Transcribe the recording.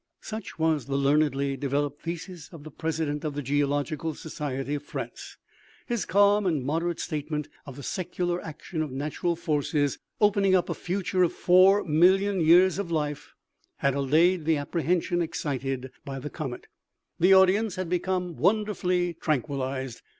Such was the learnedly developed thesis of the president of the geological society of France. His calm and moderate statement of the secular action of natural forces, opening up a future of 4,000,000 years of life, had allayed the apprehension excited by the comet. The audience OMEGA. OMEGA. p/ had become wonderfully tranquillized.